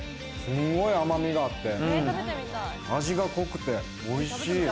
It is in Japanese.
すごい甘みがあって味が濃くておいしい！